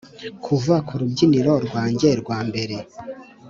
kuva ku rubyiniro rwanjye rwa mbere,